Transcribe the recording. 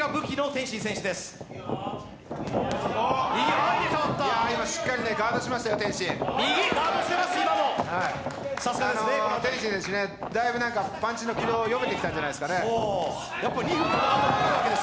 天心選手、だいぶパンチの軌道が読めてきたんじゃないですかね。